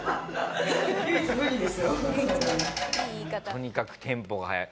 とにかくテンポが速い。